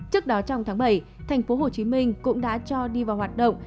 trước đó trong tháng bảy tp hcm cũng đã cho đi vào hoạt động